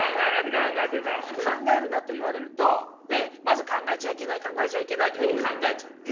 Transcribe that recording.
考えるなと言われるとまず考えちゃいけない考えちゃいけないっていうふうに考えちゃいます。